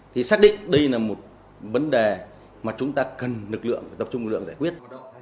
thì xác định đây là một vấn đề mà chúng ta cần lực lượng tập trung lực lượng giải quyết